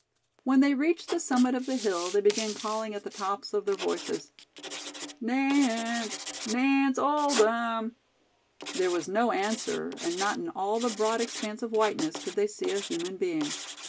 When they reached the summit of the hill, they began calling at the tops of their voices, "Nance! Nance Oldham!" There was no answer and not in all the broad expanse of whiteness could they see a human being.